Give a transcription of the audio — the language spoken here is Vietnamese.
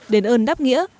đền ơn đáp nghĩa